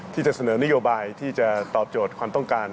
ที่จะเสนอนโยบายที่จะตอบโจทย์ความต้องการ